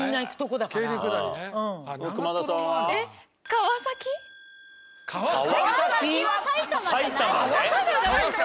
川崎は埼玉じゃないよ。